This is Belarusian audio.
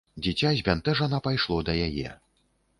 Дзіця збянтэжана пайшло да яе.